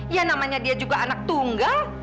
ya namanya dia juga anak tunggal